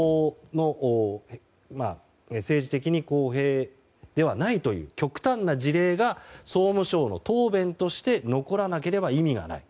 政治的に公平ではないという極端な事例が総務省の答弁として残らなければ意味がない。